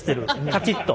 カチッと。